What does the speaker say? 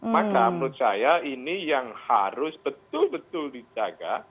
maka menurut saya ini yang harus betul betul dijaga